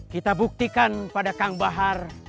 kita buktikan pada kang bahar